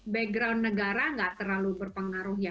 background negara tidak terlalu berpengaruh